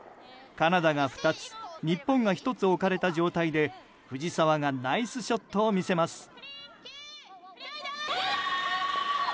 カナダが２つ日本が１つ置かれた状態で藤澤がナイスショットを見せます。